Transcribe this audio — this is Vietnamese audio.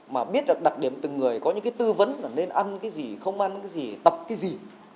mà biết là đặc điểm từng người có những cái tư vấn là nên ăn cái gì không ăn cái gì tập cái gì